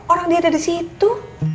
orang dia ada disitu